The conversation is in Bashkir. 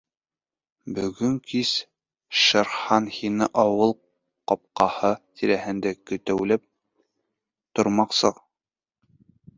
Бөгөн кис Шер Хан һине ауыл ҡапҡаһы тирәһендә көтәүләп тормаҡсы.